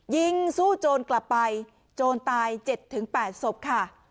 ยิงสู้โจรกลับไปโจรตาย๗๘ศพค่ะ